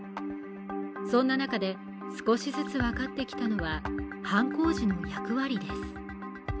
そんな中で少しずつ分かってきたのは犯行時の役割です。